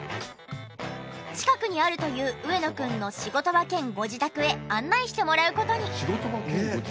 近くにあるという上野くんの仕事場兼ご自宅へ案内してもらう事に。